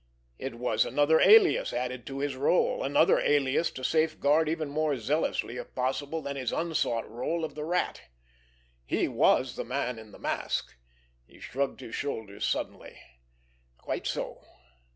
It was another alias added to his rôle, another alias to safeguard even more zealously, if possible, than his unsought rôle of the Rat. He was the man in the mask. He shrugged his shoulders suddenly. Quite so!